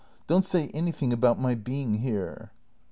] Don't say anything about my being here.